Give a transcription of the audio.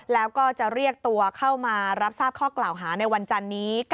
แล้วก็จะเรียกตัวเข้ามารับทราบข้อกล่าวหาในวันจันนี้